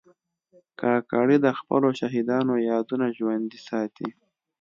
کاکړي د خپلو شهیدانو یادونه ژوندي ساتي.